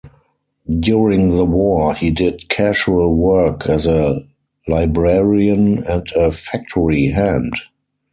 During the war, he did casual work as a librarian and a factory hand.